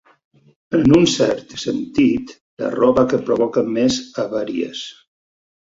En un cert sentit, la roba que provoca més avaries.